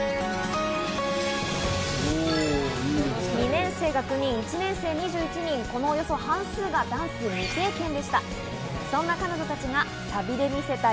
２年生が９人、１年生２１人、その半数がダンス未経験でした。